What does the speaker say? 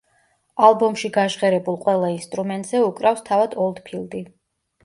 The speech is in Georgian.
ალბომში გაჟღერებულ ყველა ინსტრუმენტზე უკრავს თავად ოლდფილდი.